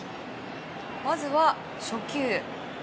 まずは初球。